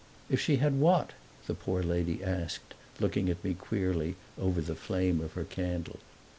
"If she had what?" the poor lady asked, looking at me queerly over the flame of her candle.